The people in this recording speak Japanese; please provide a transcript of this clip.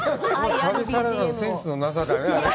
旅サラダのセンスのなさだね。